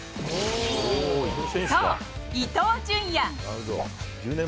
そう、伊東純也。